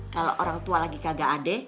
kalau orang tua lagi kagak adik